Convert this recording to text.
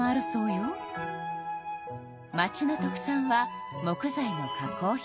町の特産は木材の加工品。